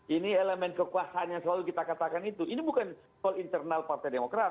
ini elemen kekuasaan yang selalu kita katakan itu ini bukan soal internal partai demokrat